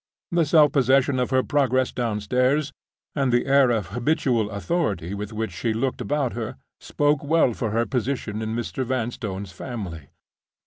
The self possession of her progress downstairs, and the air of habitual authority with which she looked about her, spoke well for her position in Mr. Vanstone's family.